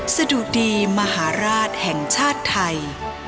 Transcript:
สะดุดีมหาราชแห่งชาติไทย